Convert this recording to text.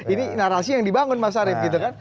ini narasi yang dibangun mas arief gitu kan